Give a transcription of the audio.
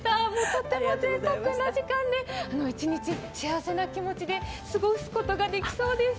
とてもぜいたくな時間で、一日、幸せな気持ちで過ごすことができそうです。